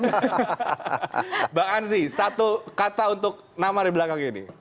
mbak ansyi satu kata untuk nama di belakang gini